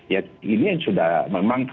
ya ini yang sudah memang